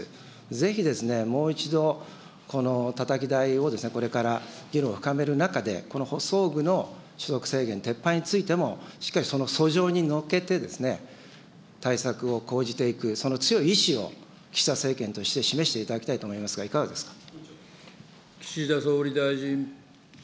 ぜひ、もう一度たたき台をこれから議論を深める中で、この補装具の所得制限撤廃についても、しっかりそのそじょうにのっけて、対策を講じていく、その強い意思を岸田政権として示していただきたいと思いますが、いかがですか。